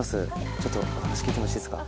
ちょっとお話聞いてもよろしいですか？